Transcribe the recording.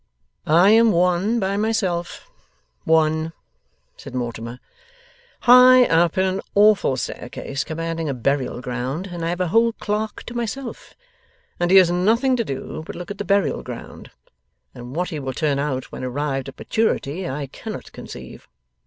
'I am one by myself, one,' said Mortimer, 'high up an awful staircase commanding a burial ground, and I have a whole clerk to myself, and he has nothing to do but look at the burial ground, and what he will turn out when arrived at maturity, I cannot conceive.